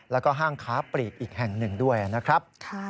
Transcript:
แล้วก็ห้างค้าปลีกอีกแห่งหนึ่งด้วยนะครับ